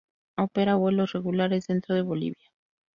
Opera vuelos regulares dentro de Bolivia.